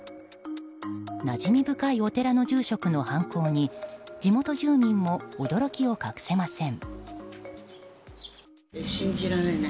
なじみ深いお寺の住職の犯行に地元住民も驚きを隠せません。